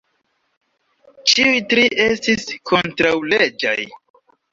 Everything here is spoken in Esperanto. Ĉiuj tri estis kontraŭleĝaj.